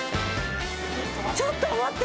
ちょっと待って。